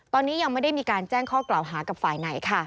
ตอนนี้ยังไม่ได้มีการแจ้งข้อกล่าวหากับฝ่ายไหนค่ะ